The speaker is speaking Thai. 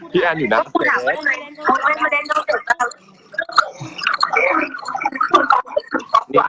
พี่แอนอยู่ในนักเร่ง